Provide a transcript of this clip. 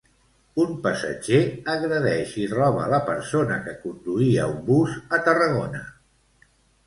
Un passatger agredeix i roba la persona que conduïa un bus a Tarragona.